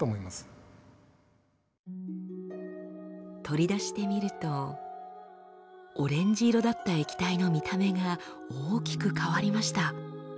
取り出してみるとオレンジ色だった液体の見た目が大きく変わりました。